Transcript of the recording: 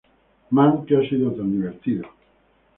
Man, que ha sido tan divertido.